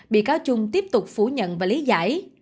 bị cáo trung tiếp tục phủ nhận và lý giải